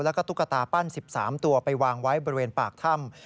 แล้วก็ตุ๊กตาปั้น๑๓ตัวไปวางไว้บริเวณปากถ้ำ